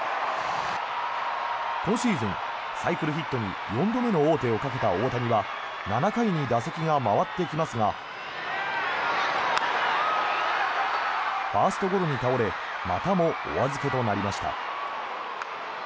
今シーズン、サイクルヒットに４度目の王手をかけた大谷は７回に打席が回ってきますがファーストゴロに倒れまたもお預けとなりました。